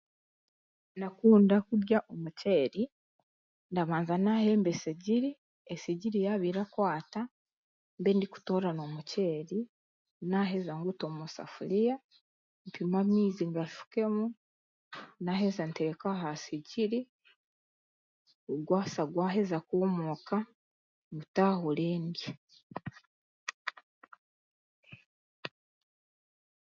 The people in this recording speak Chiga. Ndakunda kurya omuceeri ndabanza naahemba esigiri, esigiri yaaba erakukwata mbe ndikutoorana omuceeri naaheza ngute omu soforiya, mpime amaizi ngashukemu, naaheza nteeke aha sigiri gwasya gwaheza kw'omooka ngutahure ndye